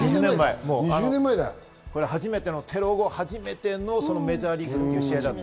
テロ後、初めてのメジャーリーグの試合。